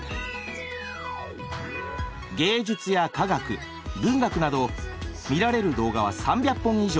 芸術や科学文学など見られる動画は３００本以上。